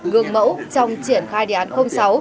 gương mẫu trong triển khai đề án sáu